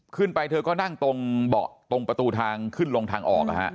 ขึ้นไปเธอก็นั่งตรงประตูทางขึ้นลงทางออกนะฮะ